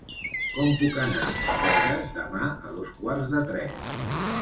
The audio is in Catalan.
Com puc anar a Begues demà a dos quarts de tres?